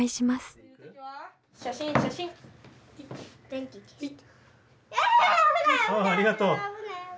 あっありがとう。